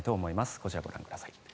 こちらをご覧ください。